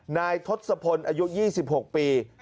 นายท็อตสะพลอายุ๒๖ปี